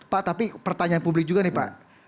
pak tapi pertanyaan publik juga nih pak